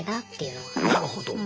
なるほど。